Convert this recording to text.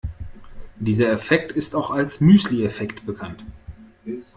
Dieser Effekt ist auch als Müsli-Effekt bekannt.